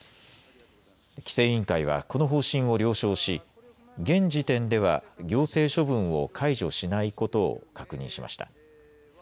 規制委員会はこの方針を了承し現時点では行政処分を解除しないことを確認しました。